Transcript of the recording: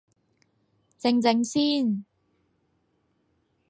靜靜先